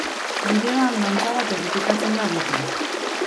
Bideoan dantza bat errepikatzen da beti.